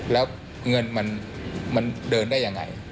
แล้วเงินมันเดินได้ยังไง